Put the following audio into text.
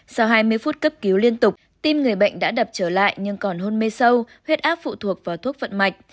sau hai mươi phút cấp cứu liên tục tim người bệnh đã đập trở lại nhưng còn hôn mê sâu huyết áp phụ thuộc vào thuốc vận mạch